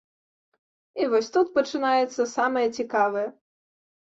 І вось тут пачынаецца самае цікавае.